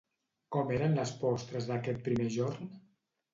Com eren les postres d'aquest primer jorn?